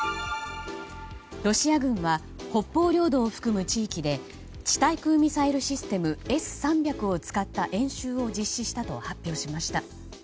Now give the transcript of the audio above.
ロシア軍は北方領土を含む地域で地対空ミサイルシステムＳ‐３００を使った演習を実施したと発表しました。